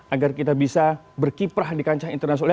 agar kita bisa berkiprah di kancah internasional